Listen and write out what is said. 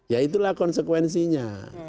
ya itulah konsekuensinya